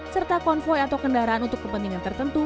serta konvoy atau kendaraan untuk kepentingan tertentu